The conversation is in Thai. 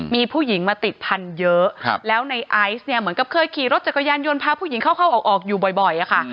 มีผู้หญิงมาติดพันธุ์เยอะแล้วในไอซ์เนี่ยเหมือนกับเคยขี่รถจักรยานยนต์พาผู้หญิงเข้าออกอยู่บ่อยอะค่ะ